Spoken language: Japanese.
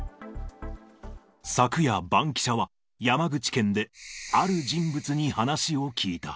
昨夜、バンキシャは山口県である人物に話を聞いた。